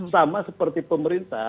sama seperti pemerintah